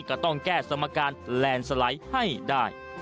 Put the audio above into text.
ก็ต้องแก้สมการแลนด์สไลด์ให้ได้